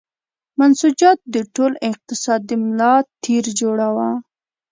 منسوجات د ټول اقتصاد د ملا تیر جوړاوه.